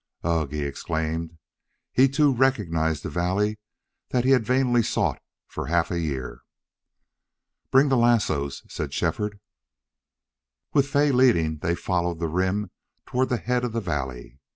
"Ugh!" he exclaimed. He, too, recognized the valley that he had vainly sought for half a year. "Bring the lassos," said Shefford. With Fay leading, they followed the rim toward the head of the valley.